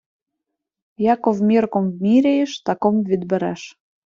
Яков мірков міряєш, таков відбереш!